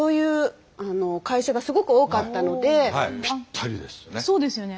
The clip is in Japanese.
はいぴったりですね。